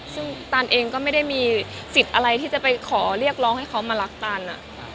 ซึ่งตันเองก็ไม่ได้มีสิทธิ์อะไรที่จะไปขอเรียกร้องให้เขามารักตัน